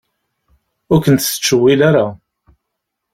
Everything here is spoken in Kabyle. Ur ken-tettcewwil ara.